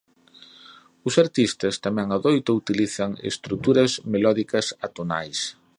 Os artistas tamén adoito utilizan estruturas melódicas atonais.